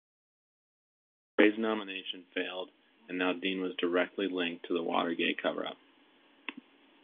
Gray's nomination failed and now Dean was directly linked to the Watergate cover-up.